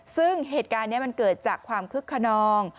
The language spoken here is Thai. ซึ่งเหตุการณ์นี้มันเกิดจากความคึกขนอง